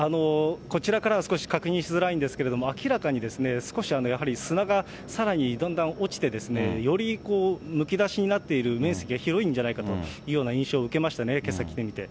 こちらからは少し確認しづらいですけど、明らかに、少しやはり、砂がさらにだんだん落ちて、よりむき出しになっている面積が広いんじゃないかというような印象を受けましたね、けさ来てみて。